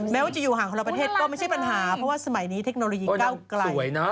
แม้ว่าจะอยู่ห่างคนละประเทศก็ไม่ใช่ปัญหาเพราะว่าสมัยนี้เทคโนโลยีก้าวไกล